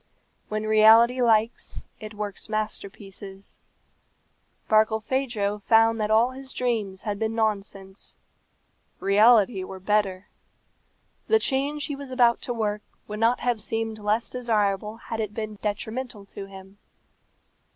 When reality likes, it works masterpieces. Barkilphedro found that all his dreams had been nonsense; reality were better. The change he was about to work would not have seemed less desirable had it been detrimental to him.